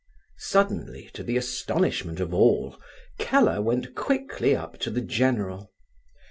Suddenly, to the astonishment of all, Keller went quickly up to the general.